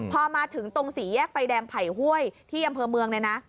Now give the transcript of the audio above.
พอมาถึงตรงสี่แยกไฟแดงไผ่ห้วยที่อำเภอเมืองเนี่ยนะ